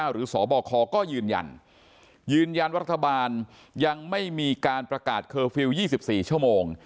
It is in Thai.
สบคก็ยืนยันยืนยันว่ารัฐบาลยังไม่มีการประกาศเคอร์ฟิลล์๒๔ชั่วโมง